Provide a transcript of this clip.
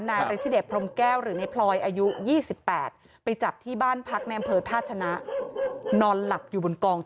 นายริคที่เด็กพรมแก้วหรือนายพลอยอายุ๒๘